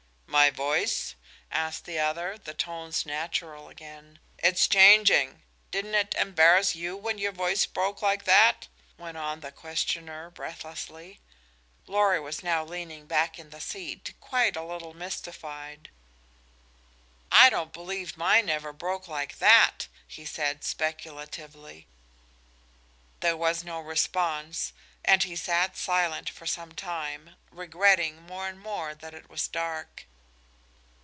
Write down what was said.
"My voice?" asked the other, the tones natural again. "It's changing. Didn't it embarrass you when your voice broke like that?" went on the questioner, breathlessly. Lorry was now leaning back in the seat, quite a little mystified. "I don't believe mine ever broke like that," he said, speculatively. There was no response, and he sat silent for some time, regretting more and more that it was so dark.